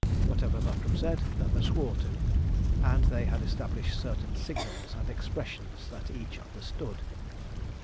Whatever Buckram said, Leather swore to, and they had established certain signals and expressions that each understood.